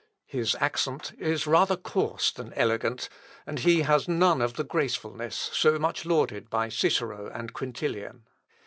His accent is rather coarse than elegant, and he has none of the gracefulness so much lauded by Cicero and Quintilian.